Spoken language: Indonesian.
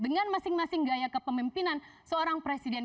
dengan masing masing gaya kepemimpinan seorang presiden